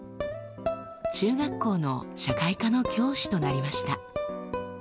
中学校の社会科の教師となりました。